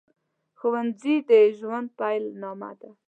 ښوونځي د ژوند پیل نامه ده